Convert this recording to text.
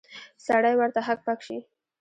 سړی ورته هک پک شي.